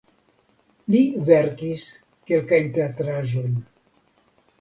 Li verkis kelkajn teatraĵojn.